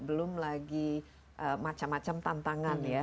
belum lagi macam macam tantangan ya